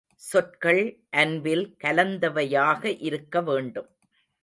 சொற்கள் அன்பில் கலந்தவையாக இருக்க வேண்டும்.